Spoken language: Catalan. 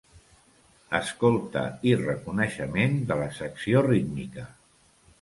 Escolta i reconeixement de la secció rítmica.